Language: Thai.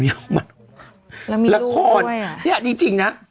แล้วมีลูกด้วยละครเนี้ยจริงจริงน่ะ